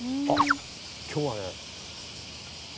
今日はね。